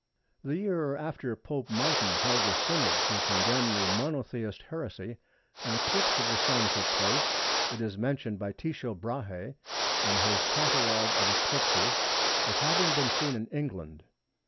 The year after Pope Martin held a Synod to condemn the Monothelite heresy, an eclipse of the Sun took place. It is mentioned by Tycho Brahe in his catalogue of eclipses as having been seen in England.